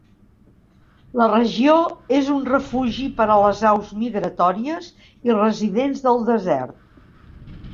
La regió és un refugi per a les aus migratòries i residents del desert.